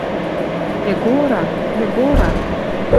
Егора, Егора...